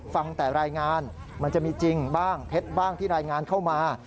ฟังแต่รายงานมันจะมีจริงบ้างเท็จบ้างที่รายงานเข้ามา